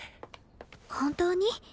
本当に？